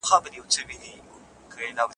ایا تکړه پلورونکي ممیز پروسس کوي؟